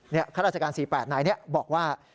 เนี่ยฆาตราชการ๔๘๙บอกว่า